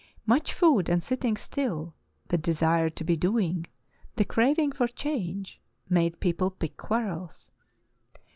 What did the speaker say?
Much food and sitting still, the desire to be doing, the craving for change made people pick quarrels.